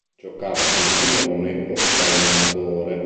Giocava come pilone o tallonatore.